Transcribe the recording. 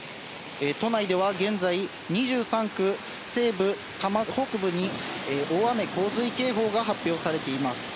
都内では現在、２３区、西部、多摩北部に大雨・洪水警報が発表されています。